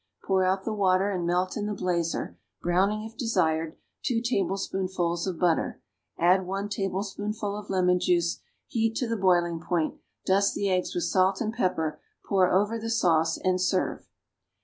Pour out the water and melt in the blazer, browning if desired, two tablespoonfuls of butter; add one tablespoonful of lemon juice; heat to the boiling point, dust the eggs with salt and pepper, pour over the sauce, and serve.